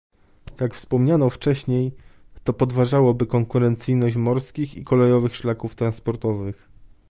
Jak wspomniano wcześniej, to podważałoby konkurencyjność morskich i kolejowych szlaków transportowych